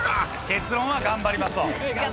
結論は「頑張ります」と。